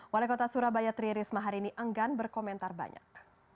wali kota surabaya tri risma hari ini enggan berkomentar banyak